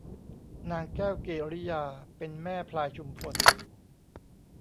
นางแก้วกิริยาเป็นแม่พลายชุมพล